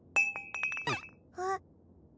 あっ？